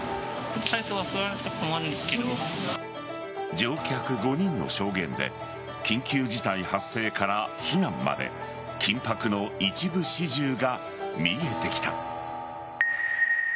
乗客５人の証言で緊急事態発生から避難まで緊迫の一部始終が見えてきた。